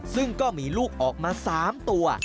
ซึ่งก็มีลูกออกมา๓ตัว